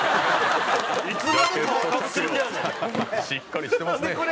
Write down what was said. しっかりしてますね。